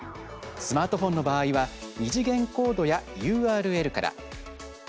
スマートフォンの場合は２次元コードやＵＲＬから。